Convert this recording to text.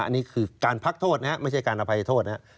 อันนี้คือการพักโทษนะครับไม่ใช่การอภัยโทษนะครับ